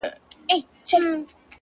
ساقي پر ملا را خمه سه پر ملا در مات دی.!